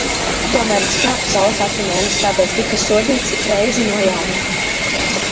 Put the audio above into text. Tomēr viņš krāpa Sauli katru mēnesi, tādēļ tika sodīts ik reizi no jauna.